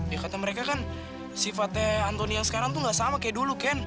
ya kata mereka kan sifatnya antoni yang sekarang tuh gak sama kayak dulu kan